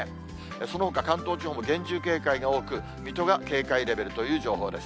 そのほか関東地方も厳重警戒が多く、水戸が警戒レベルという情報です。